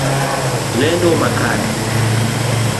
Lendo makende.